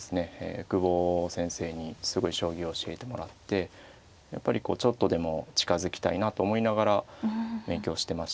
久保先生にすごい将棋を教えてもらってやっぱりこうちょっとでも近づきたいなと思いながら勉強してましたね。